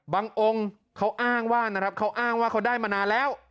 องค์เขาอ้างว่านะครับเขาอ้างว่าเขาได้มานานแล้ว